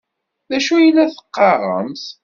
D acu ay la teqqaremt?